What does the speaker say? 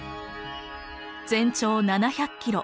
全長７００キロ。